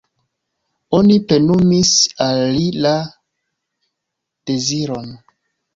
Oni plenumis al li la deziron.